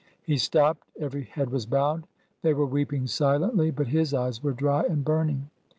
'^ He stopped. Every head was bowed. They were weeping silently, but his eyes were dry and burning.